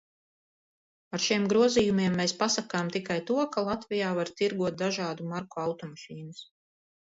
Ar šiem grozījumiem mēs pasakām tikai to, ka Latvijā var tirgot dažādu marku automašīnas.